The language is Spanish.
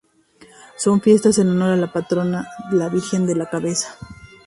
Son fiestas en honor de la patrona la Virgen de la Cabeza.